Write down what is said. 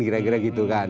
gira gira gitu kan